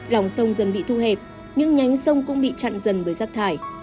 lòng sông dần bị thu hẹp những nhánh sông cũng bị chặn dần bởi giác thải